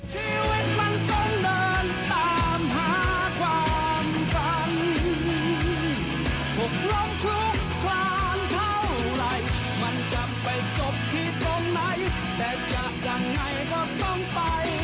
ที่สุดถ้ามันจะไม่คุ้มแทนมันกว่าดีที่ยังน้อยได้กดจำว่าครั้งนึงเคยก้าวไป